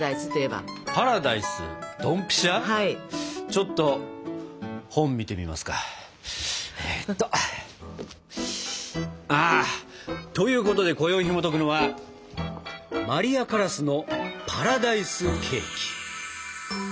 ちょっと本見てみますか。ということでこよいひもとくのは「マリア・カラスのパラダイスケーキ」。